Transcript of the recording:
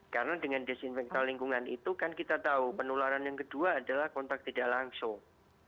karena dengan desinfektor lingkungan itu kan kita tahu penularan yang kedua adalah kontak tidak langsung